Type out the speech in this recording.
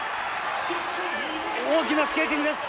大きなスケーティングです。